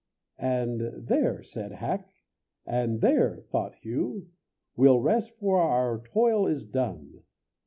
And "There!" said Hack, and "There!" thought Hew, "We'll rest, for our toil is done."